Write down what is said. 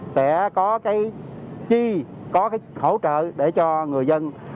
sẽ có cái chi có cái hỗ trợ để cho người dân